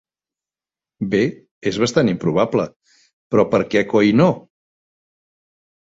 Bé, és bastant improbable, però per què coi no?